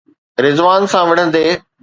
رضوان سان وڙهندي؟